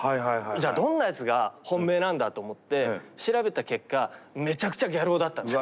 じゃあどんなやつが本命なんだと思って調べた結果めちゃくちゃギャル男だったんです。